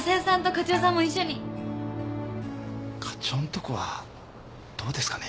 課長んとこはどうですかね？